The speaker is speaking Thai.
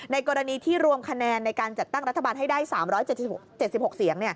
กรณีที่รวมคะแนนในการจัดตั้งรัฐบาลให้ได้๓๗๖เสียง